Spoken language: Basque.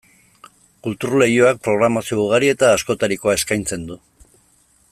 Kultur Leioak programazio ugari eta askotarikoa eskaintzen du.